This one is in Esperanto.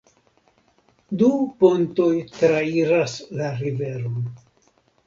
Du pontoj trairas la riveron.